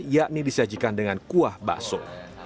yakni disajikan dengan kuah bakso